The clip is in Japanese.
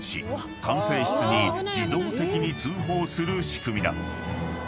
［管制室に自動的に通報する仕組みだ］